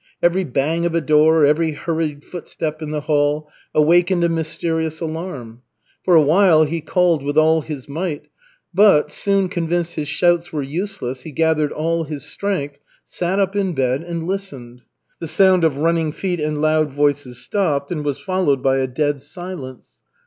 Every bang of a door, every hurried footstep in the hall awakened a mysterious alarm. For a while he called with all his might; but, soon convinced his shouts were useless, he gathered all his strength, sat up in bed, and listened. The sound of running feet and loud voices stopped and was followed by a dead silence.